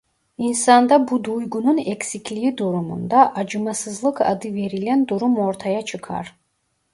İnsanda bu duygunun eksikliği durumunda "acımasızlık" adı verilen durum ortaya çıkar.